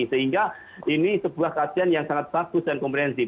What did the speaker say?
sehingga ini sebuah kajian yang sangat bagus dan komprehensif